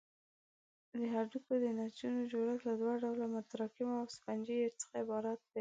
د هډوکو د نسجونو جوړښت له دوه ډوله متراکمو او سفنجي څخه عبارت دی.